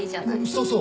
そうそう。